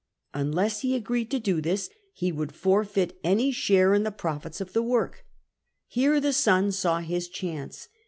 Unless he agreed to this, he would forfeit any share in the profits of the work. Here the son saw his chance.